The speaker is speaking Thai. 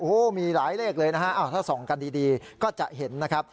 โอ้โหมีหลายเลขเลยนะฮะถ้าส่องกันดีก็จะเห็นนะครับ